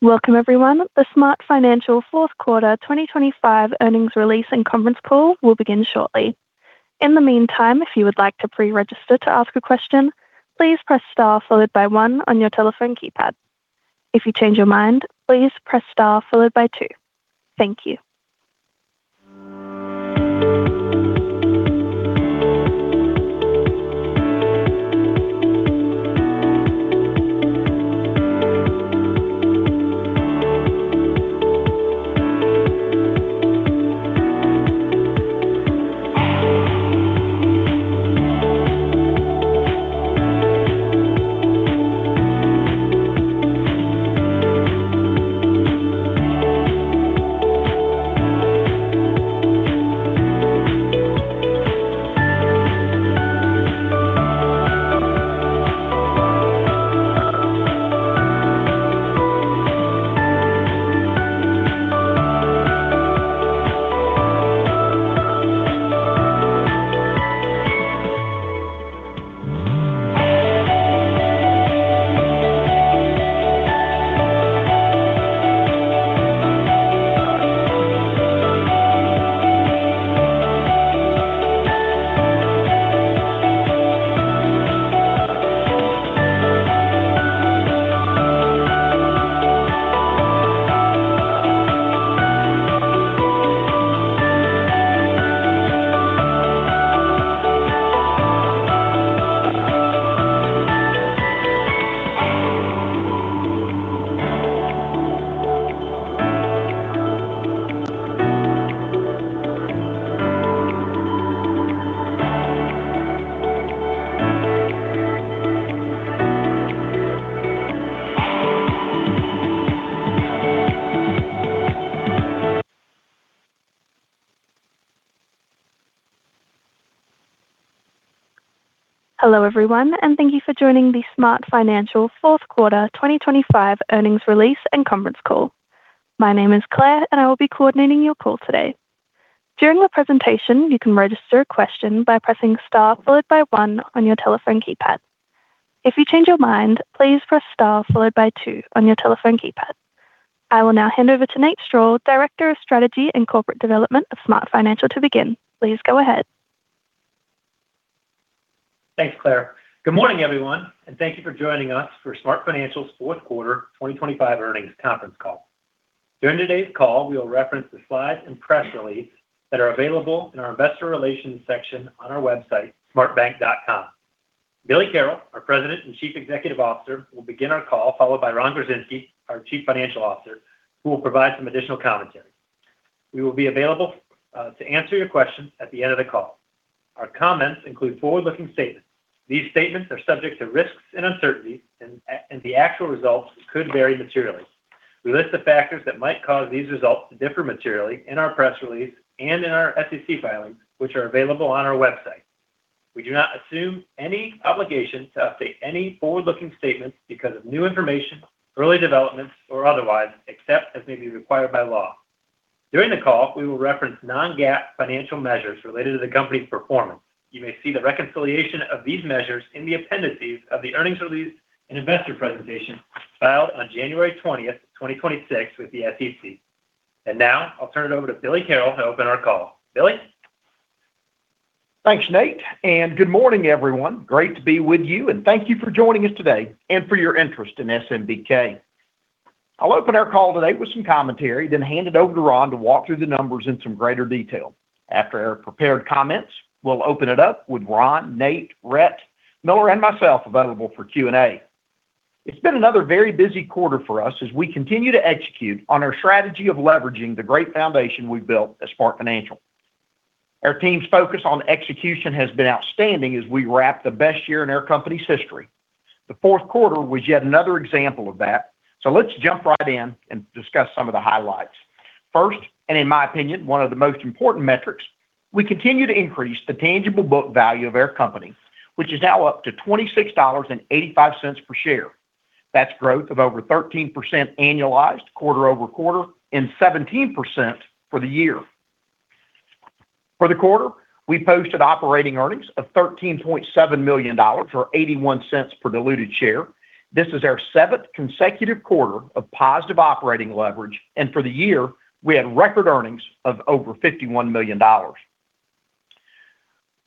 Welcome, everyone. The SmartFinancial Q4 2025 earnings release and conference call will begin shortly. In the meantime, if you would like to pre-register to ask a question, please press star followed by one on your telephone keypad. If you change your mind, please press star followed by two. Thank you. Hello, everyone, and thank you for joining the SmartFinancial Q4 2025 earnings release and conference call. My name is Claire, and I will be coordinating your call today. During the presentation, you can register a question by pressing star followed by one on your telephone keypad. If you change your mind, please press star followed by two on your telephone keypad. I will now hand over to Nate Strall, Director of Strategy and Corporate Development of SmartFinancial, to begin. Please go ahead. Thanks, Claire. Good morning, everyone, and thank you for joining us for SmartFinancial Q4 2025 earnings conference call. During today's call, we will reference the slides and press release that are available in our Investor Relations section on our website, smartbank.com. Billy Carroll, our President and Chief Executive Officer, will begin our call, followed by Ron Gorczynski, our Chief Financial Officer, who will provide some additional commentary. We will be available to answer your questions at the end of the call. Our comments include forward-looking statements. These statements are subject to risks and uncertainties, and the actual results could vary materially. We list the factors that might cause these results to differ materially in our press release and in our SEC filings, which are available on our website. We do not assume any obligation to update any forward-looking statements because of new information, early developments, or otherwise, except as may be required by law. During the call, we will reference non-GAAP financial measures related to the company's performance. You may see the reconciliation of these measures in the appendices of the earnings release and investor presentation filed on January 20, 2026, with the SEC. And now, I'll turn it over to Billy Carroll to open our call. Billy? Thanks, Nate, and good morning, everyone. Great to be with you, and thank you for joining us today and for your interest in SMBK. I'll open our call today with some commentary, then hand it over to Ron to walk through the numbers in some greater detail. After our prepared comments, we'll open it up with Ron, Nate, Rhett, Miller, and myself available for Q&A. It's been another very busy quarter for us as we continue to execute on our strategy of leveraging the great foundation we've built at SmartFinancial. Our team's focus on execution has been outstanding as we wrap the best year in our company's history. The fourth quarter was yet another example of that, so let's jump right in and discuss some of the highlights. First, and in my opinion, one of the most important metrics, we continue to increase the tangible book value of our company, which is now up to $26.85 per share. That's growth of over 13% annualized, quarter over quarter, and 17% for the year. For the quarter, we posted operating earnings of $13.7 million or $0.81 per diluted share. This is our seventh consecutive quarter of positive operating leverage, and for the year, we had record earnings of over $51 million.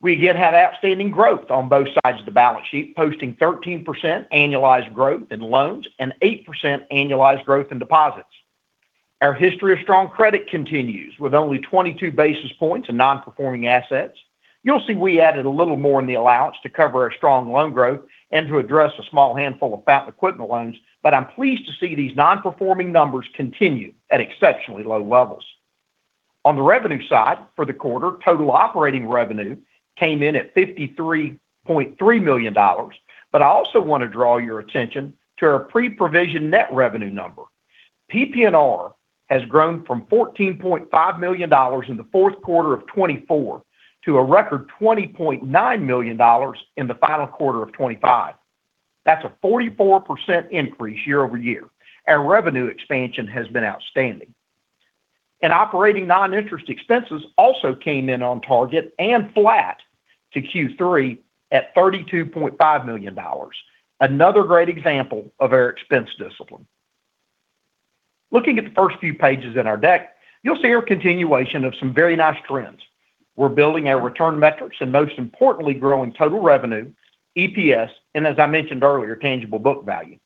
We again have outstanding growth on both sides of the balance sheet, posting 13% annualized growth in loans and 8% annualized growth in deposits. Our history of strong credit continues with only 22 basis points in non-performing assets. You'll see we added a little more in the allowance to cover our strong loan growth and to address a small handful of Fountain equipment loans, but I'm pleased to see these non-performing numbers continue at exceptionally low levels. On the revenue side for the quarter, total operating revenue came in at $53.3 million, but I also want to draw your attention to our pre-provision net revenue number. PP&R has grown from $14.5 million in the fourth quarter of 2024 to a record $20.9 million in the final quarter of 2025. That's a 44% increase year over year. Our revenue expansion has been outstanding, and operating non-interest expenses also came in on target and flat to Q3 at $32.5 million, another great example of our expense discipline. Looking at the first few pages in our deck, you'll see our continuation of some very nice trends. We're building our return metrics and, most importantly, growing total revenue, EPS, and, as I mentioned earlier, tangible book value.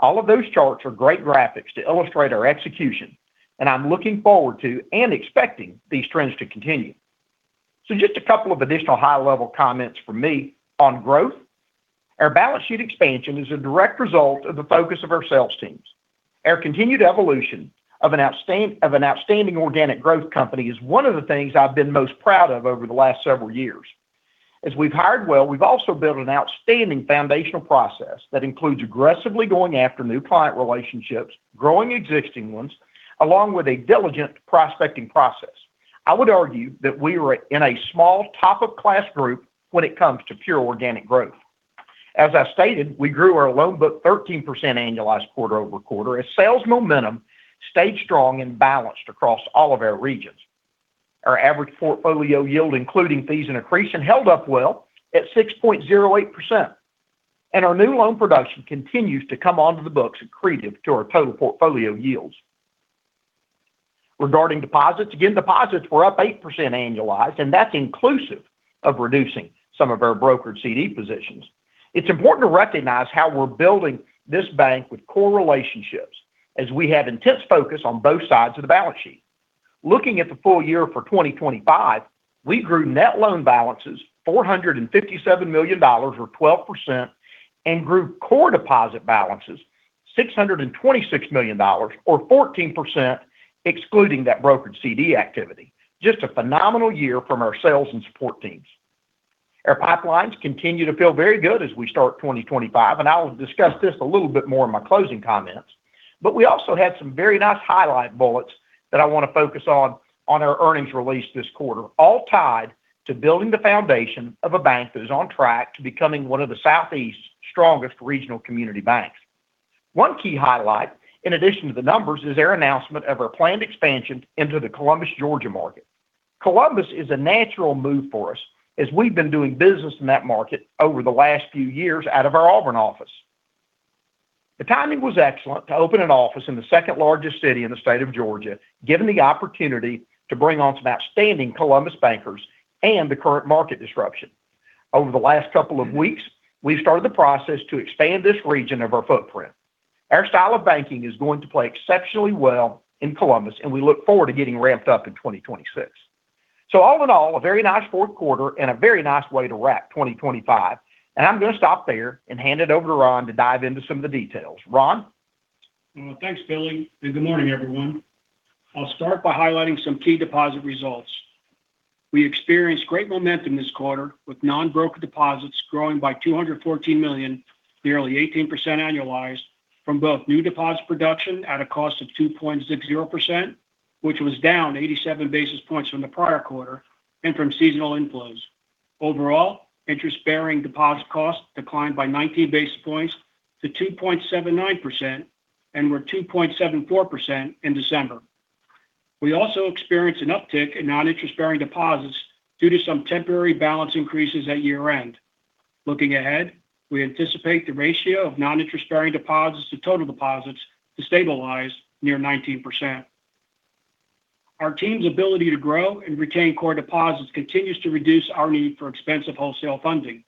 All of those charts are great graphics to illustrate our execution, and I'm looking forward to and expecting these trends to continue. So just a couple of additional high-level comments from me on growth. Our balance sheet expansion is a direct result of the focus of our sales teams. Our continued evolution of an outstanding organic growth company is one of the things I've been most proud of over the last several years. As we've hired well, we've also built an outstanding foundational process that includes aggressively going after new client relationships, growing existing ones, along with a diligent prospecting process. I would argue that we are in a small top-of-class group when it comes to pure organic growth. As I stated, we grew our loan book 13% annualized quarter over quarter as sales momentum stayed strong and balanced across all of our regions. Our average portfolio yield, including fees and accretion, held up well at 6.08%, and our new loan production continues to come onto the books accretive to our total portfolio yields. Regarding deposits, again, deposits were up 8% annualized, and that's inclusive of reducing some of our brokered CD positions. It's important to recognize how we're building this bank with core relationships as we have intense focus on both sides of the balance sheet. Looking at the full year for 2025, we grew net loan balances $457 million or 12% and grew core deposit balances $626 million or 14%, excluding that brokered CD activity. Just a phenomenal year from our sales and support teams. Our pipelines continue to feel very good as we start 2025, and I'll discuss this a little bit more in my closing comments, but we also had some very nice highlight bullets that I want to focus on our earnings release this quarter, all tied to building the foundation of a bank that is on track to becoming one of the Southeast's strongest regional community banks. One key highlight, in addition to the numbers, is our announcement of our planned expansion into the Columbus, Georgia market. Columbus is a natural move for us as we've been doing business in that market over the last few years out of our Auburn office. The timing was excellent to open an office in the second largest city in the state of Georgia, given the opportunity to bring on some outstanding Columbus bankers and the current market disruption. Over the last couple of weeks, we've started the process to expand this region of our footprint. Our style of banking is going to play exceptionally well in Columbus, and we look forward to getting ramped up in 2026. So all in all, a very nice fourth quarter and a very nice way to wrap 2025, and I'm going to stop there and hand it over to Ron to dive into some of the details. Ron? Thanks, Billy, and good morning, everyone. I'll start by highlighting some key deposit results. We experienced great momentum this quarter with non-brokered deposits growing by $214 million, nearly 18% annualized, from both new deposit production at a cost of 2.60%, which was down 87 basis points from the prior quarter, and from seasonal inflows. Overall, interest-bearing deposit costs declined by 19 basis points to 2.79% and were 2.74% in December. We also experienced an uptick in non-interest-bearing deposits due to some temporary balance increases at year-end. Looking ahead, we anticipate the ratio of non-interest-bearing deposits to total deposits to stabilize near 19%. Our team's ability to grow and retain core deposits continues to reduce our need for expensive wholesale funding.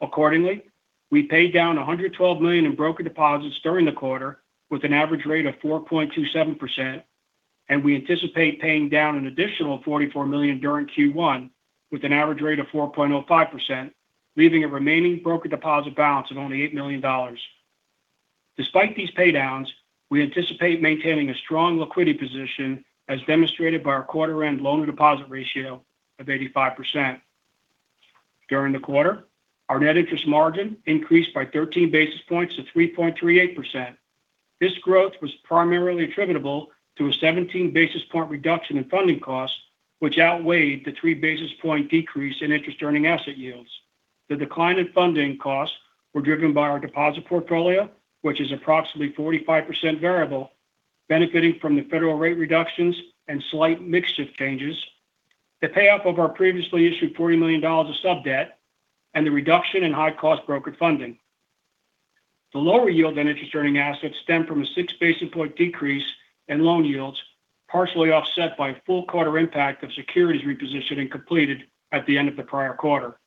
Accordingly, we paid down $112 million in brokered deposits during the quarter with an average rate of 4.27%, and we anticipate paying down an additional $44 million during Q1 with an average rate of 4.05%, leaving a remaining brokered deposit balance of only $8 million. Despite these paydowns, we anticipate maintaining a strong liquidity position as demonstrated by our quarter-end loan-to-deposit ratio of 85%. During the quarter, our net interest margin increased by 13 basis points to 3.38%. This growth was primarily attributable to a 17 basis points reduction in funding costs, which outweighed the three basis points decrease in interest-earning asset yields. The decline in funding costs was driven by our deposit portfolio, which is approximately 45% variable, benefiting from the federal rate reductions and slight mixture changes, the payoff of our previously issued $40 million of sub-debt, and the reduction in high-cost brokered funding. The lower yield on interest-earning assets stemmed from a six basis points decrease in loan yields, partially offset by a full quarter impact of securities repositioning completed at the end of the prior quarter.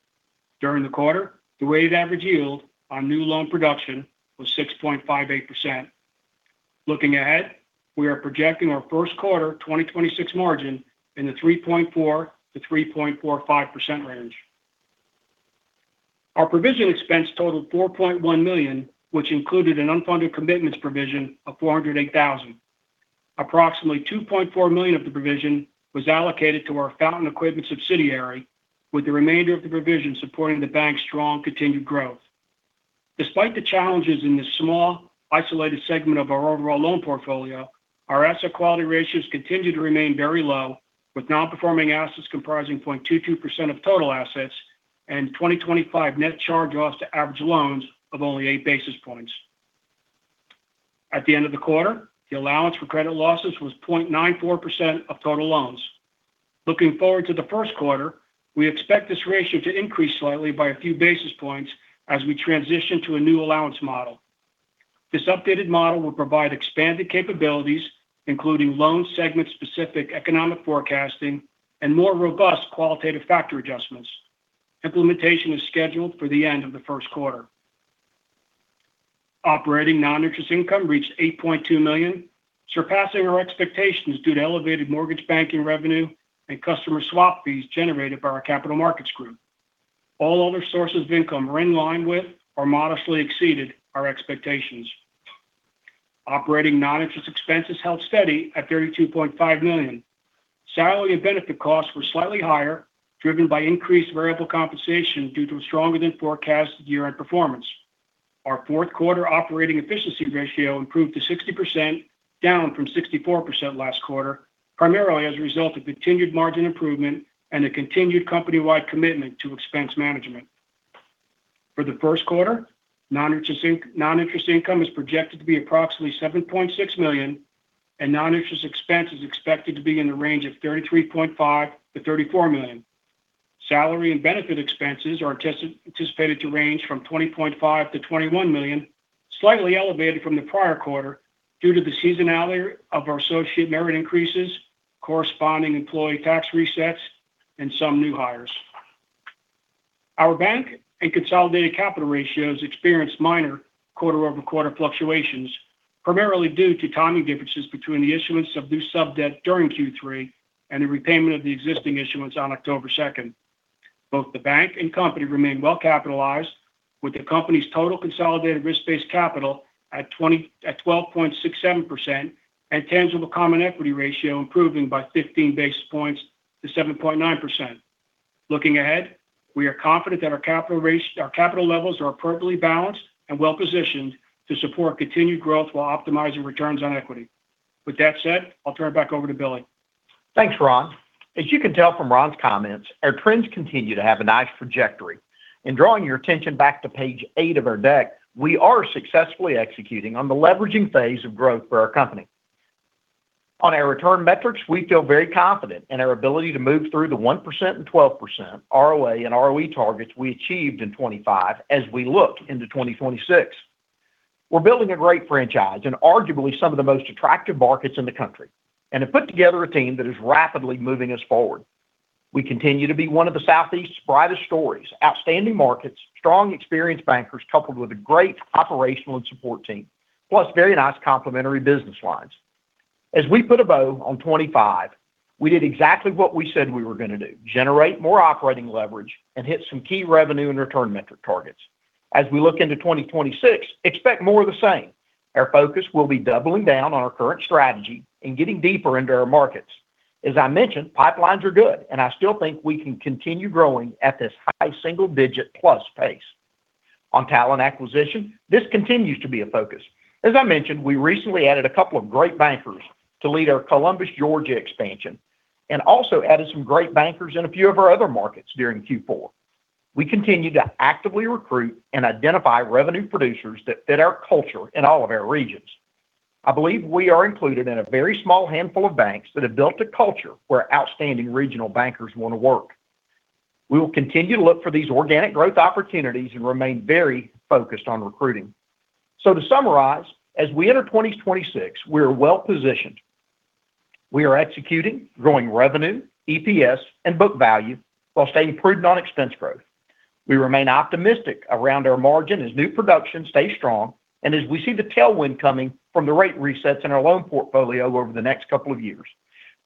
During the quarter, the weighted average yield on new loan production was 6.58%. Looking ahead, we are projecting our first quarter 2026 margin in the 3.4%-3.45% range. Our provision expense totaled $4.1 million, which included an unfunded commitments provision of $408,000. Approximately $2.4 million of the provision was allocated to our Fountain equipment subsidiary, with the remainder of the provision supporting the bank's strong continued growth. Despite the challenges in this small, isolated segment of our overall loan portfolio, our asset quality ratios continue to remain very low, with non-performing assets comprising 0.22% of total assets and 2025 net charge-offs to average loans of only eight basis points. At the end of the quarter, the allowance for credit losses was 0.94% of total loans. Looking forward to the first quarter, we expect this ratio to increase slightly by a few basis points as we transition to a new allowance model. This updated model will provide expanded capabilities, including loan segment-specific economic forecasting and more robust qualitative factor adjustments. Implementation is scheduled for the end of the first quarter. Operating non-interest income reached $8.2 million, surpassing our expectations due to elevated mortgage banking revenue and customer swap fees generated by our Capital Markets Group. All other sources of income were in line with or modestly exceeded our expectations. Operating non-interest expenses held steady at $32.5 million. Salary and benefit costs were slightly higher, driven by increased variable compensation due to a stronger-than-forecast year-end performance. Our fourth quarter operating efficiency ratio improved to 60%, down from 64% last quarter, primarily as a result of continued margin improvement and a continued company-wide commitment to expense management. For the first quarter, non-interest income is projected to be approximately $7.6 million, and non-interest expenses are expected to be in the range of $33.5 million-$34 million. Salary and benefit expenses are anticipated to range from $20.5 million-$21 million, slightly elevated from the prior quarter due to the seasonality of our associate merit increases, corresponding employee tax resets, and some new hires. Our bank and consolidated capital ratios experienced minor quarter-over-quarter fluctuations, primarily due to timing differences between the issuance of new sub-debt during Q3 and the repayment of the existing issuance on October 2nd. Both the bank and company remain well-capitalized, with the company's total consolidated risk-based capital at 12.67% and tangible common equity ratio improving by 15 basis points to 7.9%. Looking ahead, we are confident that our capital levels are appropriately balanced and well-positioned to support continued growth while optimizing returns on equity. With that said, I'll turn it back over to Billy. Thanks, Ron. As you can tell from Ron's comments, our trends continue to have a nice trajectory. In drawing your attention back to page eight of our deck, we are successfully executing on the leveraging phase of growth for our company. On our return metrics, we feel very confident in our ability to move through the 1% and 12% ROA and ROE targets we achieved in 2025 as we look into 2026. We're building a great franchise and arguably some of the most attractive markets in the country, and have put together a team that is rapidly moving us forward. We continue to be one of the Southeast's brightest stories, outstanding markets, strong experienced bankers coupled with a great operational and support team, plus very nice complementary business lines. As we put a bow on 2025, we did exactly what we said we were going to do: generate more operating leverage and hit some key revenue and return metric targets. As we look into 2026, expect more of the same. Our focus will be doubling down on our current strategy and getting deeper into our markets. As I mentioned, pipelines are good, and I still think we can continue growing at this high single-digit plus pace. On talent acquisition, this continues to be a focus. As I mentioned, we recently added a couple of great bankers to lead our Columbus, Georgia expansion and also added some great bankers in a few of our other markets during Q4. We continue to actively recruit and identify revenue producers that fit our culture in all of our regions. I believe we are included in a very small handful of banks that have built a culture where outstanding regional bankers want to work. We will continue to look for these organic growth opportunities and remain very focused on recruiting. So to summarize, as we enter 2026, we are well-positioned. We are executing, growing revenue, EPS, and book value while staying prudent on expense growth. We remain optimistic around our margin as new production stays strong and as we see the tailwind coming from the rate resets in our loan portfolio over the next couple of years.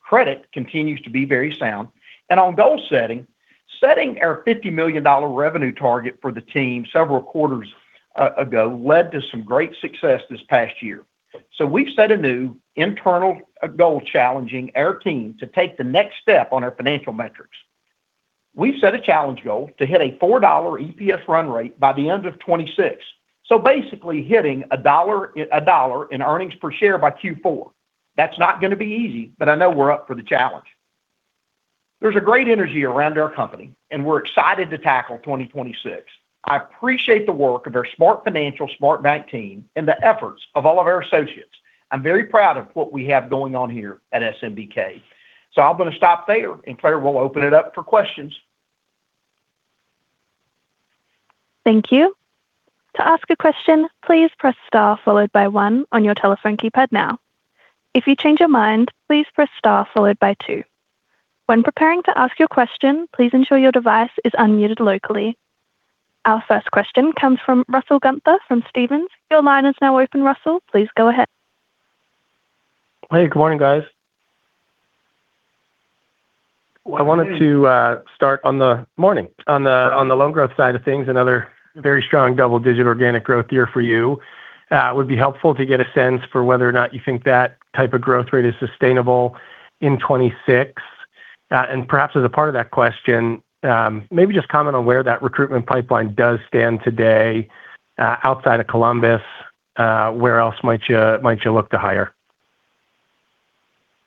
Credit continues to be very sound, and on goal setting, setting our $50 million revenue target for the team several quarters ago led to some great success this past year. So we've set a new internal goal challenging our team to take the next step on our financial metrics. We've set a challenge goal to hit a $4 EPS run rate by the end of 2026, so basically hitting $1 in earnings per share by Q4. That's not going to be easy, but I know we're up for the challenge. There's a great energy around our company, and we're excited to tackle 2026. I appreciate the work of our SmartFinancial, SmartBank team, and the efforts of all of our associates. I'm very proud of what we have going on here at SMBK. So I'm going to stop there, and Claire will open it up for questions. Thank you. To ask a question, please press star followed by one on your telephone keypad now. If you change your mind, please press star followed by two. When preparing to ask your question, please ensure your device is unmuted locally. Our first question comes from Russell Gunther from Stephens. Your line is now open, Russell. Please go ahead. Hey, good morning, guys. I wanted to start on the loan growth side of things, another very strong double-digit organic growth year for you. It would be helpful to get a sense for whether or not you think that type of growth rate is sustainable in 2026, and perhaps as a part of that question, maybe just comment on where that recruitment pipeline does stand today outside of Columbus. Where else might you look to hire?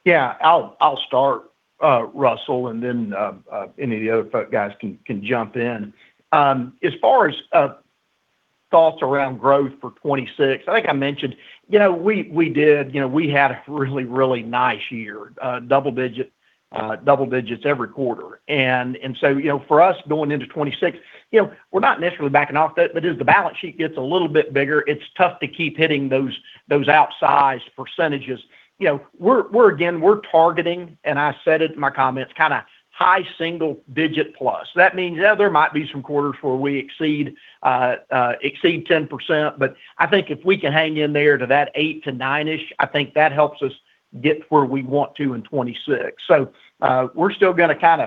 Yeah, I'll start, Russell, and then any of the other guys can jump in. As far as thoughts around growth for 2026, I think I mentioned we did, we had a really, really nice year, double digits every quarter. And so for us going into 2026, we're not necessarily backing off, but as the balance sheet gets a little bit bigger, it's tough to keep hitting those outsized percentages. Again, we're targeting, and I said it in my comments, kind of high single-digit plus. That means there might be some quarters where we exceed 10%, but I think if we can hang in there to that 8%-9%-ish, I think that helps us get where we want to in 2026. So we're still going to kind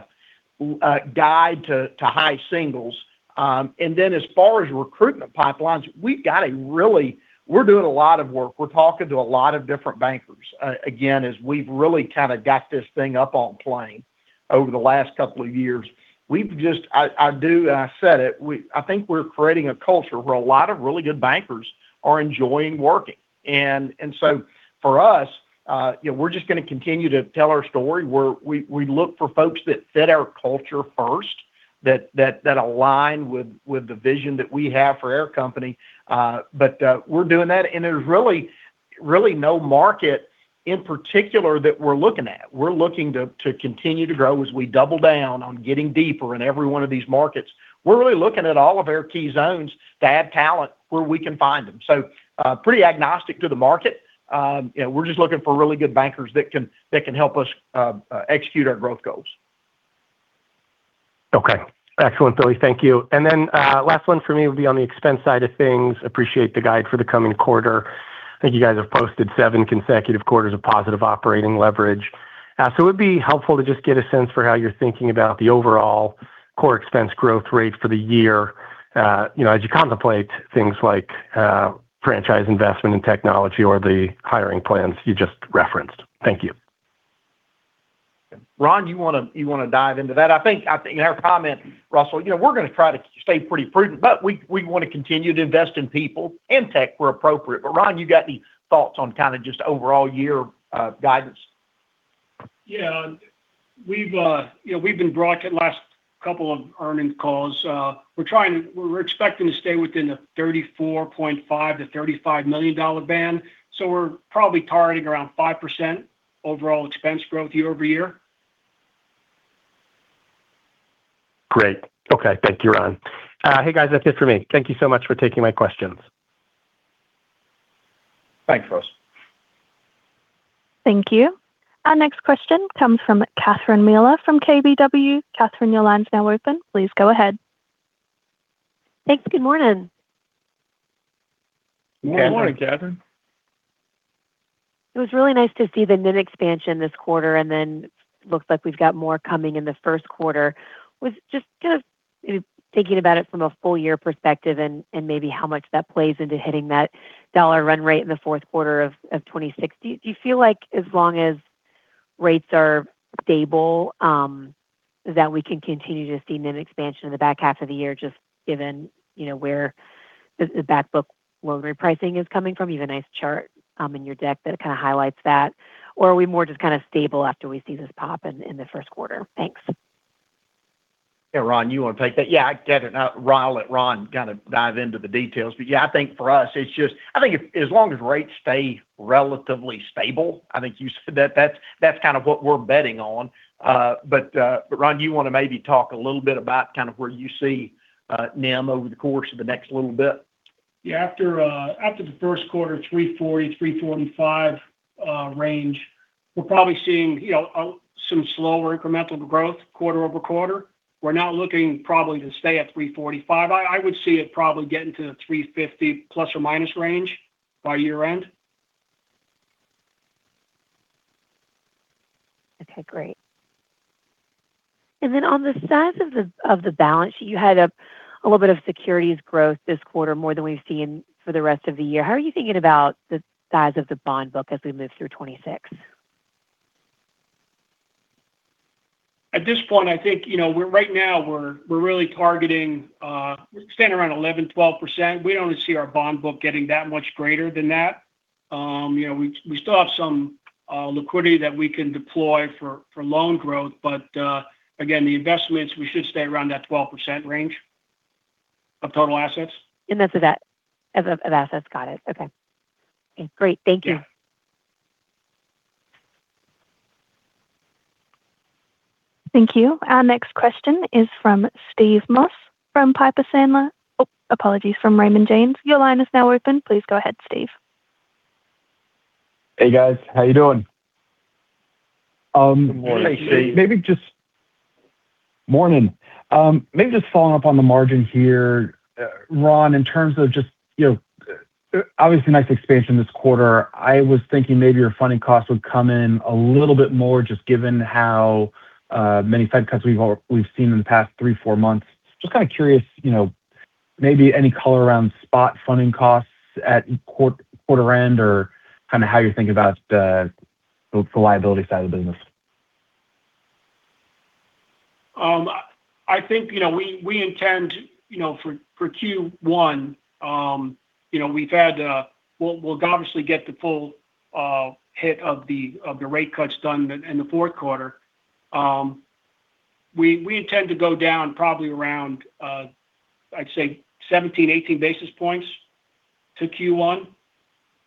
of guide to high singles. And then as far as recruitment pipelines, we've got a really, we're doing a lot of work. We're talking to a lot of different bankers. Again, as we've really kind of got this thing up on plane over the last couple of years, we've just, I do, and I said it, I think we're creating a culture where a lot of really good bankers are enjoying working. And so for us, we're just going to continue to tell our story. We look for folks that fit our culture first, that align with the vision that we have for our company. But we're doing that, and there's really no market in particular that we're looking at. We're looking to continue to grow as we double down on getting deeper in every one of these markets. We're really looking at all of our key zones to add talent where we can find them. So pretty agnostic to the market. We're just looking for really good bankers that can help us execute our growth goals. Okay. Excellent, Billy. Thank you. And then last one for me would be on the expense side of things. Appreciate the guide for the coming quarter. I think you guys have posted seven consecutive quarters of positive operating leverage. So it would be helpful to just get a sense for how you're thinking about the overall core expense growth rate for the year as you contemplate things like franchise investment and technology or the hiring plans you just referenced. Thank you. Ron, you want to dive into that? I think in our comments, Russell, we're going to try to stay pretty prudent, but we want to continue to invest in people and tech where appropriate. But Ron, you've got any thoughts on kind of just overall year guidance? Yeah. We've been broadcasting the last couple of earnings calls. We're expecting to stay within the $34.5 million-$35 million band. So we're probably targeting around 5% overall expense growth year over year. Great. Okay. Thank you, Ron. Hey, guys, that's it for me. Thank you so much for taking my questions. Thanks, Russell. Thank you. Our next question comes from Catherine Mealor from KBW. Catherine, your line's now open. Please go ahead. Thanks. Good morning. Good morning, Catherine. It was really nice to see the net expansion this quarter, and then it looks like we've got more coming in the first quarter. Just kind of thinking about it from a full-year perspective and maybe how much that plays into hitting that dollar run rate in the fourth quarter of 2026, do you feel like as long as rates are stable that we can continue to see net expansion in the back half of the year just given where the backbook loan repricing is coming from? You have a nice chart in your deck that kind of highlights that. Or are we more just kind of stable after we see this pop in the first quarter? Thanks. Yeah, Ron, you want to take that? Yeah, I get it. I'll let Ron kind of dive into the details. But yeah, I think for us, it's just I think as long as rates stay relatively stable. I think you said that that's kind of what we're betting on. But Ron, you want to maybe talk a little bit about kind of where you see NIM over the course of the next little bit? Yeah. After the first quarter, 340-345 range, we're probably seeing some slower incremental growth quarter over quarter. We're now looking probably to stay at 345. I would see it probably getting to the 350 +/- range by year-end. Okay. Great. And then on the size of the balance sheet, you had a little bit of securities growth this quarter more than we've seen for the rest of the year. How are you thinking about the size of the bond book as we move through 2026? At this point, I think right now we're really targeting staying around 11%-12%. We don't see our bond book getting that much greater than that. We still have some liquidity that we can deploy for loan growth, but again, the investments, we should stay around that 12% range of total assets. And that's of assets. Got it. Okay. Okay. Great. Thank you. Yeah. Thank you. Our next question is from Steve Moss from Piper Sandler. Oh, apologies. From Raymond James. Your line is now open. Please go ahead, Steve. Hey, guys. How you doing? Good morning, Steve. Hey, Steve. Maybe just morning. Maybe just following up on the margin here. Ron, in terms of just obviously nice expansion this quarter, I was thinking maybe your funding costs would come in a little bit more just given how many Fed cuts we've seen in the past three, four months. Just kind of curious, maybe any color around spot funding costs at quarter-end or kind of how you're thinking about the liability side of the business. I think we intend for Q1. We've had, we'll obviously get the full hit of the rate cuts done in the fourth quarter. We intend to go down probably around, I'd say, 17-18 basis points to Q1.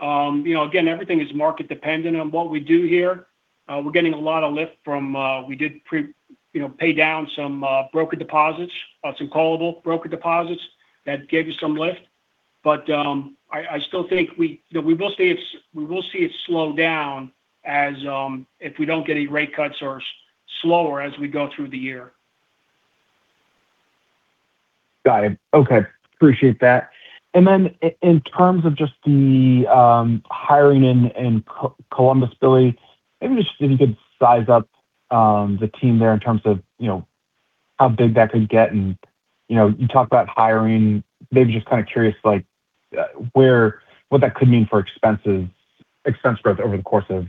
Again, everything is market-dependent on what we do here. We're getting a lot of lift from, we did pay down some broker deposits, some callable broker deposits that gave us some lift. But I still think we will see it slow down if we don't get any rate cuts or slower as we go through the year. Got it. Okay. Appreciate that. And then in terms of just the hiring in Columbus, Billy, maybe just if you could size up the team there in terms of how big that could get. And you talked about hiring. Maybe just kind of curious what that could mean for expenses growth over the course of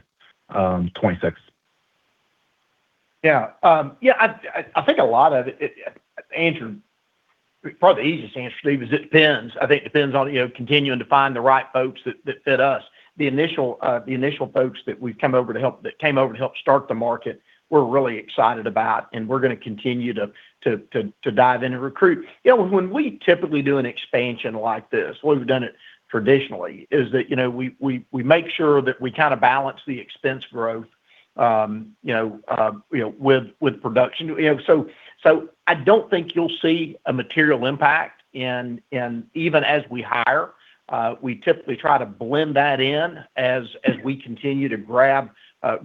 2026. Yeah. Yeah. I think a lot of it, Andrew, probably the easiest answer, Steve, is it depends. I think it depends on continuing to find the right folks that fit us. The initial folks that we've come over to help start the market, we're really excited about, and we're going to continue to dive in and recruit. When we typically do an expansion like this, what we've done it traditionally is that we make sure that we kind of balance the expense growth with production. I don't think you'll see a material impact. And even as we hire, we typically try to blend that in as we continue to grab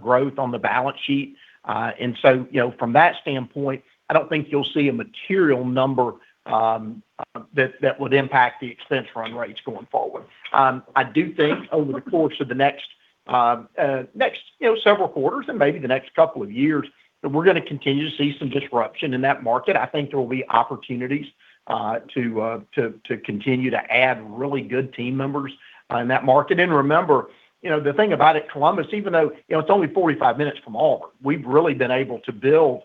growth on the balance sheet. And so from that standpoint, I don't think you'll see a material number that would impact the expense run rates going forward. I do think over the course of the next several quarters and maybe the next couple of years, we're going to continue to see some disruption in that market. I think there will be opportunities to continue to add really good team members in that market. And remember, the thing about it, Columbus, even though it's only 45 minutes from Auburn, we've been able to build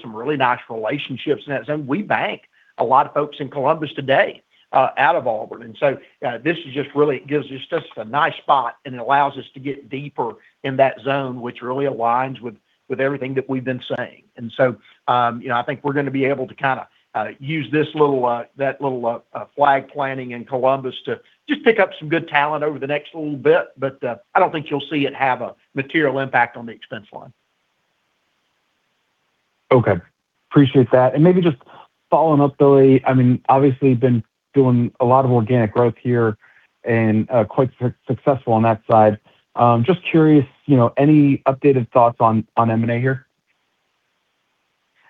some really nice relationships in that zone. We bank a lot of folks in Columbus today out of Auburn. And so this is just really, it gives us a nice spot, and it allows us to get deeper in that zone, which really aligns with everything that we've been saying, and so I think we're going to be able to kind of use that little flag planting in Columbus to just pick up some good talent over the next little bit, but I don't think you'll see it have a material impact on the expense line. Okay. Appreciate that, and maybe just following up, Billy, I mean, obviously, you've been doing a lot of organic growth here and quite successful on that side. Just curious, any updated thoughts on M&A here?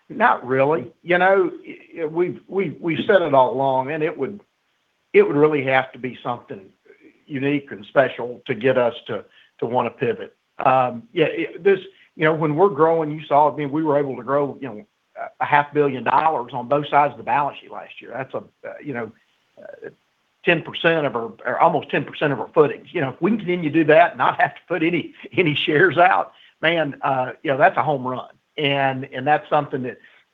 Not really. We've said it all along, and it would really have to be something unique and special to get us to want to pivot. Yeah. When we're growing, you saw, I mean, we were able to grow $500 million on both sides of the balance sheet last year. That's 10% of our almost 10% of our footing. If we can continue to do that and not have to put any shares out, man, that's a home run, and that's something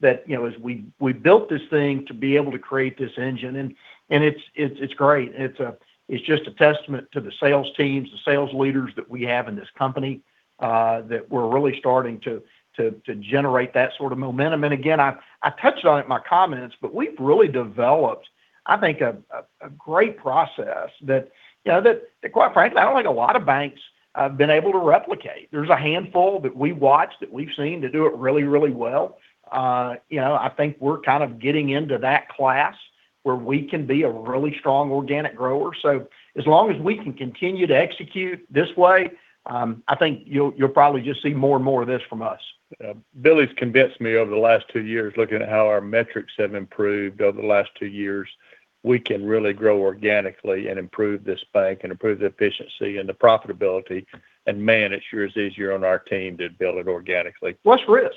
that as we built this thing to be able to create this engine, and it's great. It's just a testament to the sales teams, the sales leaders that we have in this company that we're really starting to generate that sort of momentum, and again, I touched on it in my comments, but we've really developed, I think, a great process that, quite frankly, I don't think a lot of banks have been able to replicate. There's a handful that we watch that we've seen to do it really, really well. I think we're kind of getting into that class where we can be a really strong organic grower. So as long as we can continue to execute this way, I think you'll probably just see more and more of this from us. Billy's convinced me over the last two years, looking at how our metrics have improved over the last two years, we can really grow organically and improve this bank and improve the efficiency and the profitability. Man, it's a lot easier on our team to build it organically. It's risk.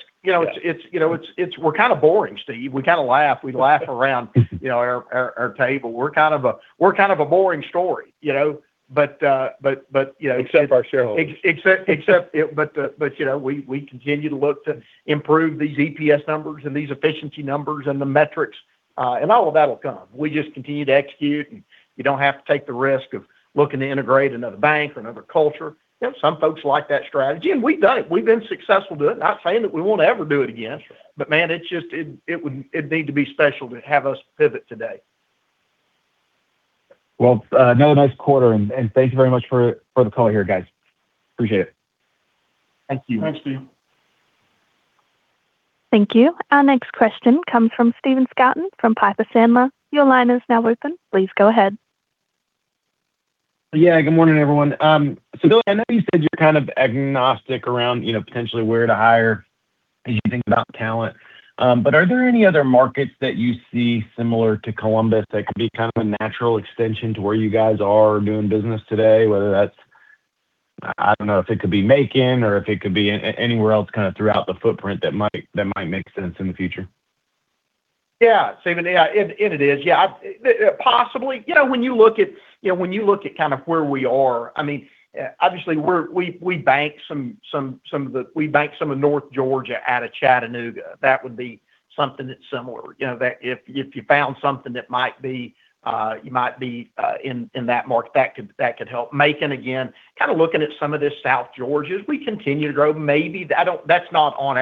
We're kind of boring, Steve. We kind of laugh. We laugh around our table. We're kind of a boring story. But. Except our shareholders. Except, but we continue to look to improve these EPS numbers and these efficiency numbers and the metrics, and all of that will come. We just continue to execute, and you don't have to take the risk of looking to integrate another bank or another culture. Some folks like that strategy, and we've done it. We've been successful doing it. Not saying that we won't ever do it again, but man, it need to be special to have us pivot today. Another nice quarter. Thank you very much for the call here, guys. Appreciate it. Thank you. Thanks, Steve. Thank you. Our next question comes from Stephen Scouten from Piper Sandler. Your line is now open. Please go ahead. Yeah. Good morning, everyone, so Billy, I know you said you're kind of agnostic around potentially where to hire as you think about talent, but are there any other markets that you see similar to Columbus that could be kind of a natural extension to where you guys are doing business today, whether that's I don't know if it could be Macon or if it could be anywhere else kind of throughout the footprint that might make sense in the future? Yeah. It is. Yeah. Possibly. When you look at kind of where we are, I mean, obviously, we bank some of North Georgia out of Chattanooga. That would be something that's similar. If you found something that might be in that market, that could help. Macon, again, kind of looking at some of this South Georgia, as we continue to grow, maybe that's not on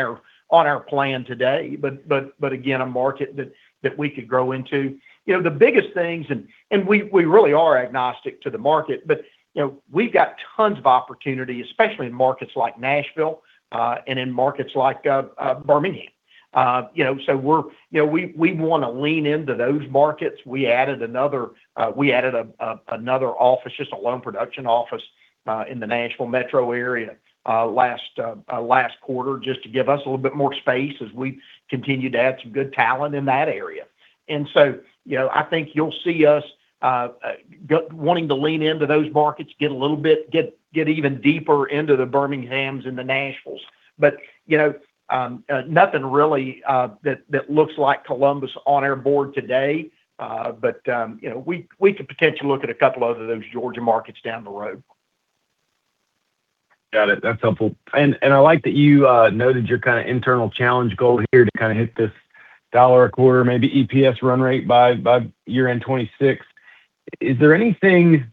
our plan today. But again, a market that we could grow into. The biggest things, and we really are agnostic to the market, but we've got tons of opportunity, especially in markets like Nashville and in markets like Birmingham. So we want to lean into those markets. We added another office, just a loan production office in the Nashville metro area last quarter just to give us a little bit more space as we continue to add some good talent in that area. And so I think you'll see us wanting to lean into those markets, get a little bit even deeper into the Birminghams and the Nashville. But nothing really that looks like Columbus on our board today. But we could potentially look at a couple of those Georgia markets down the road. Got it. That's helpful. And I like that you noted your kind of internal challenge goal here to kind of hit this dollar a quarter, maybe EPS run rate by year-end 2026. Is there anything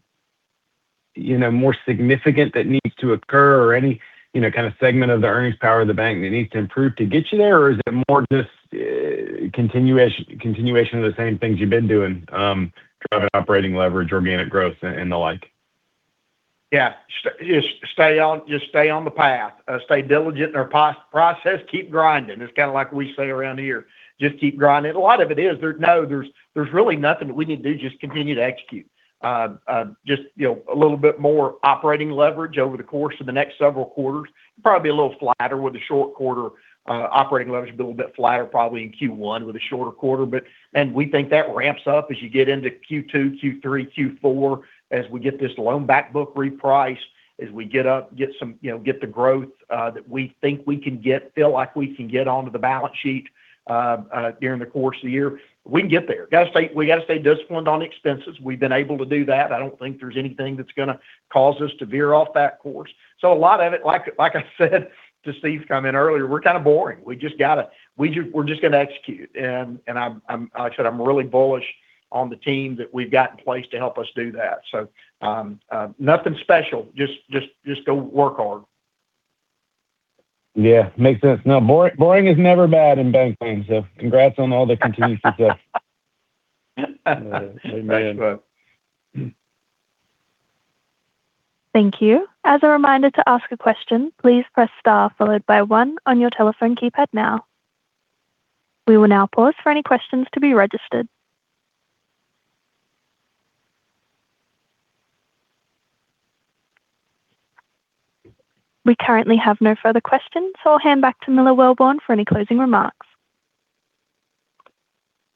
more significant that needs to occur or any kind of segment of the earnings power of the bank that needs to improve to get you there, or is it more just continuation of the same things you've been doing, driving operating leverage, organic growth, and the like? Yeah. Just stay on the path. Stay diligent in our process. Keep grinding. It's kind of like we say around here. Just keep grinding. A lot of it is. No, there's really nothing that we need to do. Just continue to execute. Just a little bit more operating leverage over the course of the next several quarters. Probably be a little flatter with a short quarter. Operating leverage will be a little bit flatter, probably in Q1 with a shorter quarter, and we think that ramps up as you get into Q2, Q3, Q4, as we get this loan backbook repriced, as we get up, get some, get the growth that we think we can get, feel like we can get onto the balance sheet during the course of the year. We can get there. We got to stay disciplined on expenses. We've been able to do that. I don't think there's anything that's going to cause us to veer off that course. So a lot of it, like I said to Steve coming in earlier, we're kind of boring. We're just going to execute. And like I said, I'm really bullish on the team that we've got in place to help us do that. So nothing special. Just go work hard. Yeah. Makes sense. Now, boring is never bad in banking. So congrats on all the continued success. Thanks, bro. Thank you. As a reminder to ask a question, please press star followed by one on your telephone keypad now. We will now pause for any questions to be registered. We currently have no further questions, so I'll hand back to Miller Welborn for any closing remarks.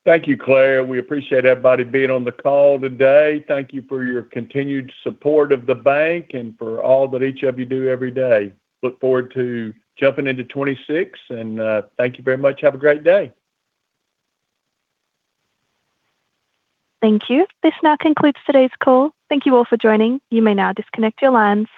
Thank you, Claire. We appreciate everybody being on the call today. Thank you for your continued support of the bank and for all that each of you do every day. Look forward to jumping into 2026, and thank you very much. Have a great day. Thank you. This now concludes today's call. Thank you all for joining. You may now disconnect your lines.